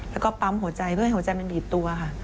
แล้วก็ปั๊มหัวใจเพื่อให้หัวใจมันดีดตัวค่ะ